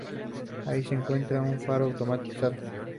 Allí se encuentra un faro automatizado.